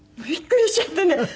びっくりしちゃってね